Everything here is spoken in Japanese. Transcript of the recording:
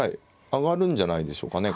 上がるんじゃないでしょうかね